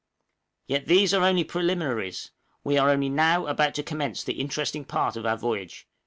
Yet these are only preliminaries, we are only now about to commence the interesting part of our voyage.